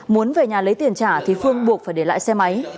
muốn về nhà lấy tiền trả thì phương buộc phải để lại xe máy